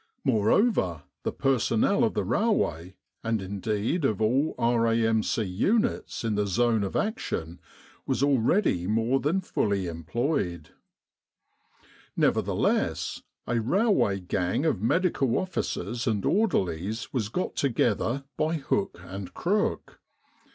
Moreover, the per sonnel of the railway, and indeed of all R.A.M.C. units in the zone of action, was already more than fully employed. Nevertheless a railway gang of Medical Officers and orderlies was got together by hook and crook.